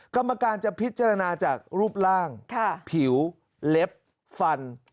กรรมการจะพิจารณาจากรูปร่างผิวเล็บฟัน